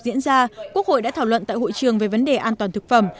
diễn ra quốc hội đã thảo luận tại hội trường về vấn đề an toàn thực phẩm